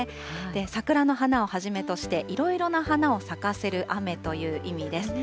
桜の花をはじめとしていろいろな花を咲かせる雨という意味です。